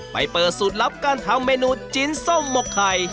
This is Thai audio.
เปิดสูตรลับการทำเมนูจิ้นส้มหมกไข่